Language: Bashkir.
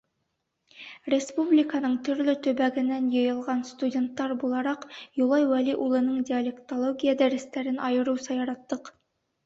Республиканың төрлө төбәгенән йыйылған студенттар булараҡ, Юлай Вәли улының диалектология дәрестәрен айырыуса яраттыҡ.